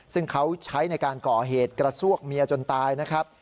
ซึ่งเขาใช้ในการก่อเหตุกระซวกเมียจนตายนะครับ